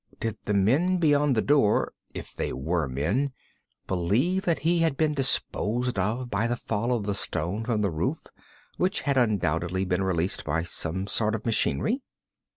Did the men beyond the door if they were men believe that he had been disposed of by the fall of the stone from the roof, which had undoubtedly been released by some sort of machinery?